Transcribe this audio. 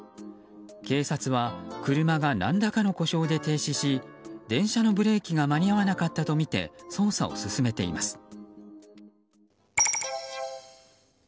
警察は車が何らかの故障で停止し電車のブレーキが間に合わなかったとみて捜査を進めています。